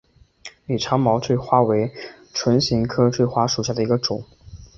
拟长毛锥花为唇形科锥花属下的一个种。